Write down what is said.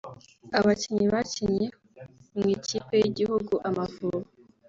Abakinnyi bakinnye mw’ikipe y’igihugu « Amavubi »